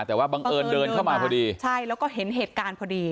แต่ว่าบังเอิญเดินเข้ามาพอดีใช่แล้วก็เห็นเหตุการณ์พอดี